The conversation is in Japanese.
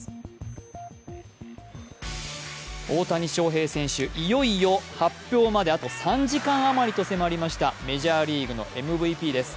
大谷翔平選手、いよいよ発表まであと３時間余りと迫りましたメジャーリーグのＭＶＰです。